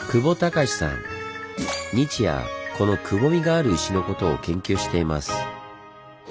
日夜このくぼみがある石のことを研究しています。